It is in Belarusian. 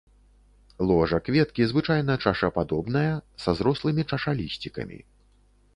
Ложа кветкі звычайна чашападобная, са зрослымі чашалісцікамі.